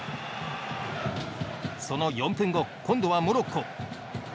その４分後、今度はモロッコ。